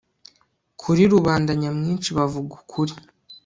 Kuri rubanda nyamwinshi bavuga ukuri